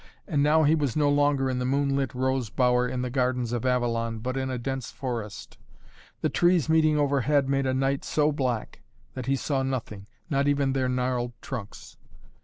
And now he was no longer in the moonlit rose bower in the gardens of Avalon, but in a dense forest. The trees meeting overhead made a night so black, that he saw nothing, not even their gnarled trunks.